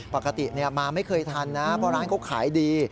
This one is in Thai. ปกติมาไม่เคยทันนะเพราะร้านเขาขายดี